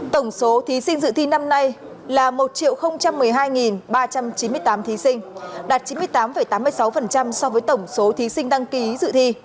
tổng số thí sinh dự thi năm nay là một một mươi hai ba trăm chín mươi tám thí sinh đạt chín mươi tám tám mươi sáu so với tổng số thí sinh đăng ký dự thi